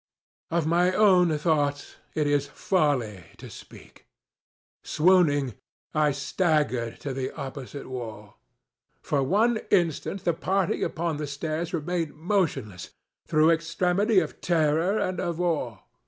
Of my own thoughts it is folly to speak. Swooning, I staggered to the opposite wall. For one instant the party upon the stairs remained motionless, through extremity of terror and of awe.